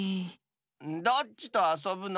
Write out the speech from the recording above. どっちとあそぶの？